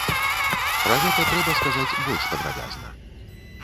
Пра гэта трэба сказаць больш падрабязна.